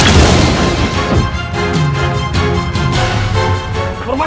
tidak ada apa apa